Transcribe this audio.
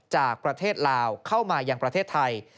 จากประเทศลาวเข้ามายังประเทศไทย